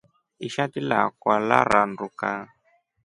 Ishati lakwa laranduka.